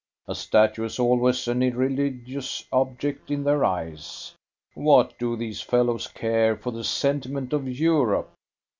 A statue is always an irreligious object in their eyes. What do these fellows care for the sentiment of Europe?